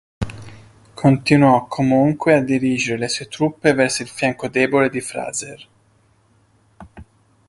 Continuò comunque a dirigere le sue truppe verso il fianco debole di Fraser.